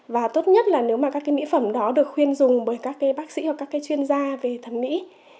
và tốt nhất là nếu mà các cái mỹ phẩm đó được khuyên dùng bởi các bác sĩ hoặc các cái chuyên gia về thẩm mỹ